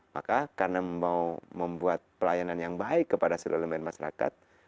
maka karena mau membuat pelayanan yang baik kepada seluruh elemen masyarakat